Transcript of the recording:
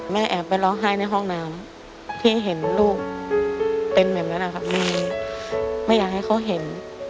แอบไปร้องไห้ในห้องน้ำที่เห็นลูกเป็นแบบนั้นนะครับมีไม่อยากให้เขาเห็น